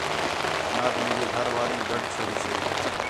نات مینجے گھر والینک گڈھ چھڑیسے